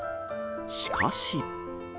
しかし。